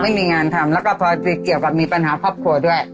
ไม่มีงานทำแล้วก็พอไปเกี่ยวกับมีปัญหาครอบครัวด้วย